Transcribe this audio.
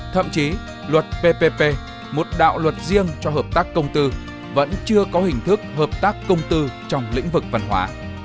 thậm chí luật ppp một đạo luật riêng cho hợp tác công tư vẫn chưa có hình thức hợp tác công tư trong lĩnh vực văn hóa